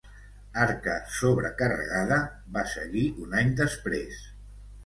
"Arca sobrecarregada" va seguir un any després.